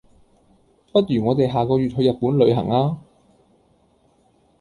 不如我地下個月去日本旅行呀